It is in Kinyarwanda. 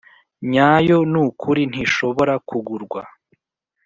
nyayo nukuri ntishobora kugurwa